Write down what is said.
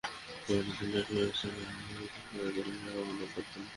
বেলা তিনটায় একই স্থানে আহলে হাদিস আন্দোলনের জেলা শাখা মানববন্ধন করে।